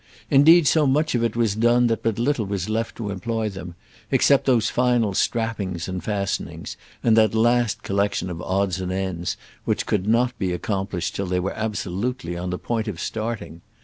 Indeed so much of it was done that but little was left to employ them, except those final strappings and fastenings, and that last collection of odds and ends which could not be accomplished till they were absolutely on the point of starting.